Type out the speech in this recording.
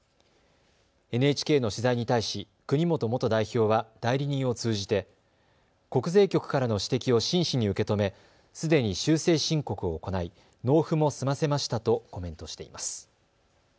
ＮＨＫの取材に対し国本元代表は代理人を通じて国税局からの指摘を真摯に受け止め、すでに修正申告を行い納付も済ませましたとコメントしています。